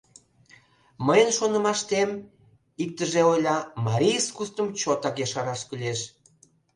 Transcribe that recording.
— Мыйын шонымаштем, — иктыже ойла, — марий искусствым чотак ешараш кӱлеш.